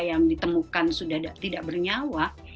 yang ditemukan sudah tidak bernyawa